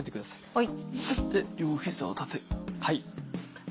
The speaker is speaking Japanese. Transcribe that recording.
はい。